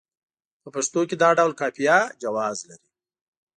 په پښتو کې دا ډول قافیه جواز لري.